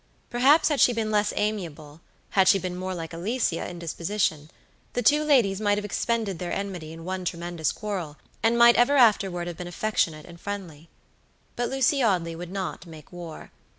Perhaps had she been less amiable, had she been more like Alicia in disposition, the two ladies might have expended their enmity in one tremendous quarrel, and might ever afterward have been affectionate and friendly. But Lucy Audley would not make war.